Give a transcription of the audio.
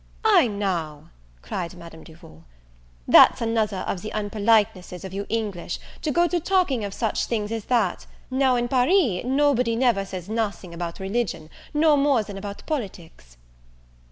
"Ay, now," cried Madame Duval, "that's another of the unpolitenesses of you English, to go to talking of such things as that: now in Paris nobody never says nothing about religion, no more than about politics."